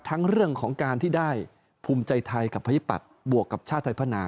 ทั้งเรื่องของการที่ได้ภูมิใจไทยกับประชาธิปัตย์บวกกับชาติไทยพัฒนา